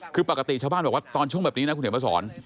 คือปกติชาวบ้านบอกว่าตอนช่วงแบบนี้นะคุณเขียนมาสอน